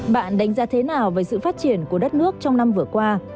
bạn đánh giá thế nào về sự phát triển của đất nước trong năm vừa qua